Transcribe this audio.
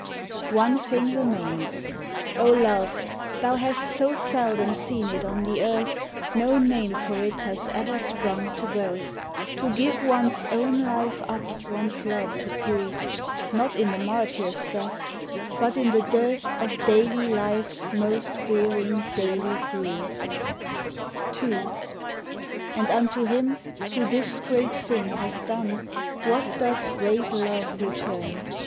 _ _One thing remains. Oh, Love, Thou hast so seldom seen it on the earth, No name for it has ever sprung to birth; To give one's own life up one's love to prove, Not in the martyr's death, but in the dearth Of daily life's most wearing daily groove_. II. _And unto him who this great thing hath done, What does Great Love return?